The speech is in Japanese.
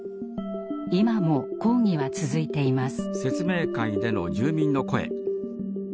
今も抗議は続いています。